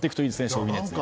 将棋熱。